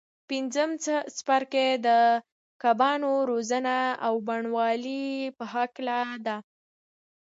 پنځم څپرکی د کبانو روزنه او بڼوالۍ په هکله دی.